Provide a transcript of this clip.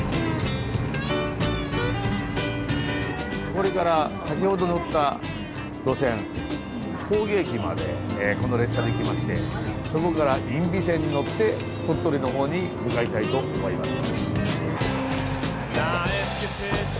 これから先ほど乗った路線郡家駅までこの列車で行きましてそこから因美線に乗って鳥取のほうに向かいたいと思います。